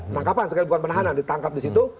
penangkapan sekali bukan penahanan ditangkap disitu